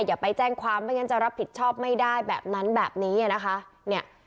อย่าไปแจ้งความไม่งั้นจะรับผิดชอบไม่ได้แบบนั้นแบบนี้นะคะเนี่ย